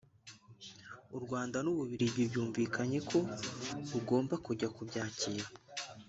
u Rwanda n’u Bubiligi bumvikanye ko rugomba kujya kubyakira